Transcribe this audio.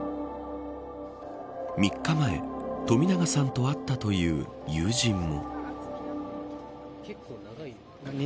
３日前、冨永さんと会ったという友人も。